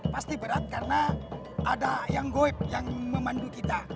pasti berat karena ada yang goib yang memandu kita